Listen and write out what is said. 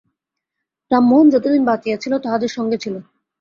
রামমোহন যতদিন বাঁচিয়াছিল, তাহাদের সঙ্গে ছিল।